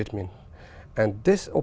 về tình huống